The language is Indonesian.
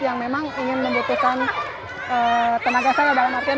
yang memang ingin membutuhkan tenaga saya dalam artian